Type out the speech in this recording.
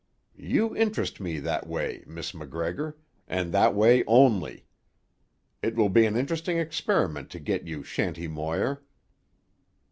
You interest me that way, Miss MacGregor, and that way only. It will be an interesting experiment to get you Shanty Moir."